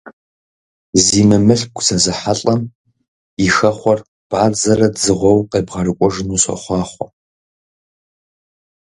Зи мымылъку зэзыхьэлӀэм и хэхъуэр бадзэрэ дзыгъуэу къебгъэрыкӀуэжыну сохъуахъуэ!